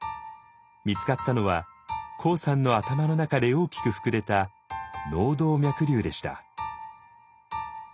見つかったのはＫＯＯさんの頭の中で大きく膨れた脳動脈瘤でした。